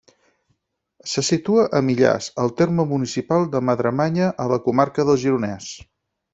Se situa a Millàs, al terme municipal de Madremanya a la comarca del Gironès.